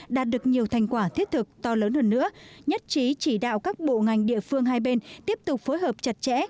đạt được nhiều thành quả thiết thực to lớn hơn nữa nhất trí chỉ đạo các bộ ngành địa phương hai bên tiếp tục phối hợp chặt chẽ